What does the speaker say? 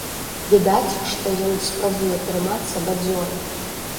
Відаць, што ён спрабуе трымацца бадзёра.